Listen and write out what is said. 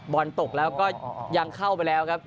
บอลตกแล้วก็ยังเข้าไปแล้วครับ